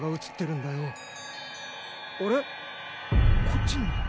こっちにも。